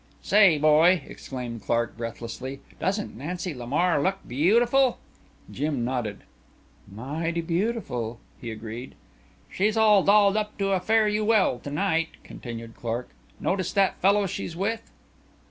"Say, boy," exclaimed Clark breathlessly, "doesn't Nancy Lamar look beautiful?" Jim nodded. "Mighty beautiful," he agreed. "She's all dolled up to a fare you well to night," continued Clark. "Notice that fellow she's with?"